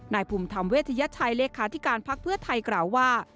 นายภูมิธรรมเวชยชัยเลขาธิการพักเพื่อไทยกล่าวว่า